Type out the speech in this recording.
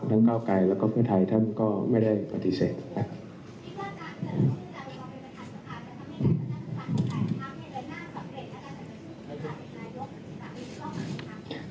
ก้าวไกรแล้วก็เพื่อไทยท่านก็ไม่ได้ปฏิเสธครับ